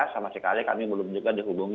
sama sekali kami belum juga dihubungi